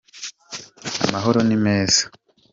amahoro nimeza.